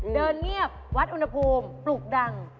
เดินเงียบวัดอุณหภูมิปลูกดัง